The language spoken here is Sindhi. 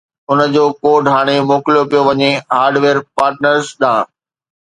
ان جو ڪوڊ ھاڻي موڪليو پيو وڃي هارڊويئر پارٽنرز ڏانھن